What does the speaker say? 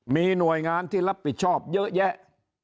มีหน่วยงานที่รับผิดชอบเยอะแยะ